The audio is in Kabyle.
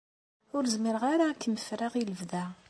Ur zmireɣ ara ad kem-ffreɣ i lebda.